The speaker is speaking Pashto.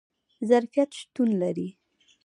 ظرفیت شتون لري